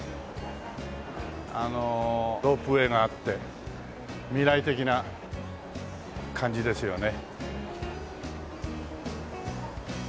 あのロープウェーがあって未来的な感じですよね。